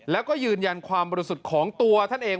แล้วก็ยืนยันความบริสุทธิ์ของตัวท่านเอง